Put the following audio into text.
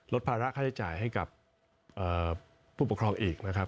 ลดพาระค่าใช้จ่ายให้กับผู้ปกครองงี้